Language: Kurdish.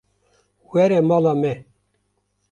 Were mala me.